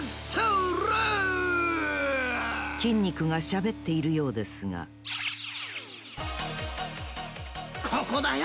筋肉がしゃべっているようですがここだよ